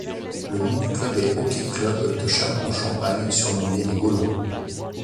Le nom du club est Hockey Club de Châlons-en-Champagne surnommé les Gaulois.